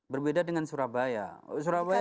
berbeda dengan surabaya